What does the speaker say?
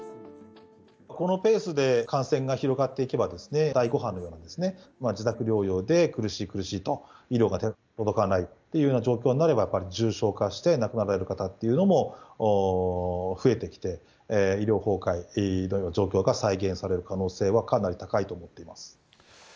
このペースで感染が広がっていけば、第５波のような、自宅療養で苦しい苦しいと、医療が届かないというような状況になれば、やっぱり重症化して、亡くなられる方っていうのも増えてきて、医療崩壊のような状況が再現される可能性はかなり高いと思っています。